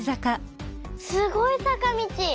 すごいさかみち！